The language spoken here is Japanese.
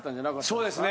そうですね